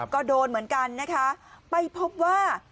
ก็โดนเหมือนกันนะคะไปพบว่า